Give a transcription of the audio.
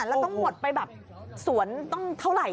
แล้วต้องหมดไปแบบสวนต้องเท่าไหร่